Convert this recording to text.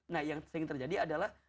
nah yang terjadi adalah